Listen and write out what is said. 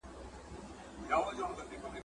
چي لغتي د ناکسو باندي اوري !.